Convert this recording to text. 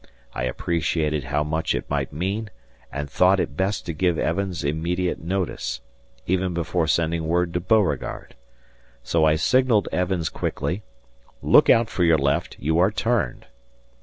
I appreciated how much it might mean and thought it best to give Evans immediate notice, even before sending word to Beauregard. So I signalled Evans quickly, "Look out for your left, you are turned."